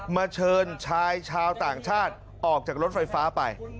เชิญชายชาวต่างชาติออกจากรถไฟฟ้าไป